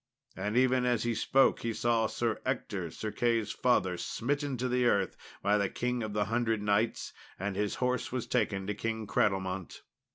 And even as he spoke he saw Sir Ector, Sir Key's father, smitten to the earth by the King of the Hundred Knights, and his horse taken to King Cradlemont.